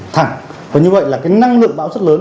thẳng và như vậy là cái năng lượng bão rất lớn